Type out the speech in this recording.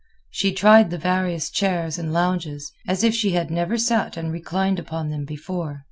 She tried the various chairs and lounges, as if she had never sat and reclined upon them before.